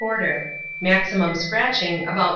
quarter. Maximum scratching, about S.